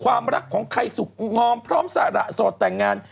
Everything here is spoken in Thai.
ความรักของใครสุขงอมพร้อมสระโสดแต่งงาน